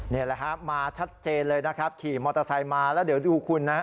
นี่แหละครับมาชัดเจนเลยนะครับขี่มอเตอร์ไซค์มาแล้วเดี๋ยวดูคุณนะ